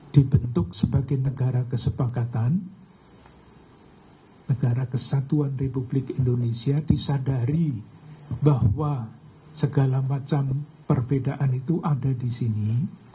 dibentuk sebagai negara kesepakatan negara kesatuan republik indonesia disadari bahwa segala macam perbedaan itu ada di sini